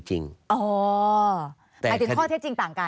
หมายถึงข้อเท็จจริงต่างกัน